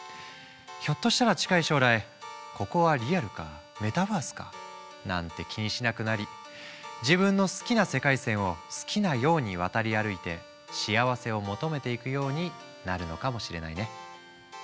ひょっとしたら近い将来ここはリアルかメタバースかなんて気にしなくなり自分の好きな世界線を好きなように渡り歩いて幸せを求めていくようになるのかもしれないね。